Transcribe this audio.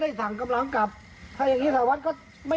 พ่อหยิบมีดมาขู่จะทำร้ายแม่แล้วขังสองแม่